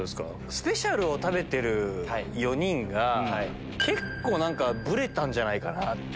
スペシャルメニューを食べてる４人が結構ブレたんじゃないかなって。